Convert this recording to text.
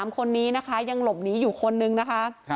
๓คนนี้นะคะยังหลบหนีอยู่คนนึงนะคะ